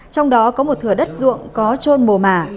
trong đó có một thửa đất ruộng có trôn mồ mả